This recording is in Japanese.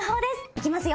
いきますよ。